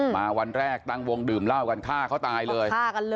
วันแรกตั้งวงดื่มเหล้ากันฆ่าเขาตายเลย